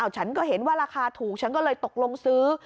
ฉันก็เห็นว่าราคาถูกฉันก็เลยตกลงซื้อ